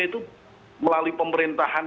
itu melalui pemerintahan